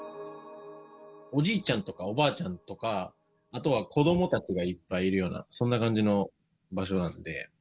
おじいちゃんとかおばあちゃんとか、あとは子どもたちがいっぱいいるような、そんな感じの場所なので。